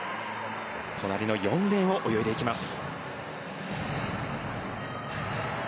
隣の４レーンを泳いでいきます。